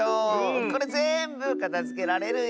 これぜんぶかたづけられるよ。